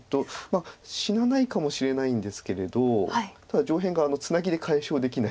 死なないかもしれないんですけれどただ上辺がツナギで解消できない。